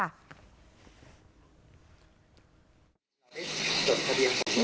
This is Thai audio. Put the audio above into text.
ได้จดทะเบียนค่ะ